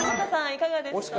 いかがですか？